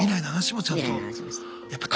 未来の話もちゃんと。